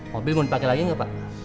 mobil mau dipakai lagi nggak pak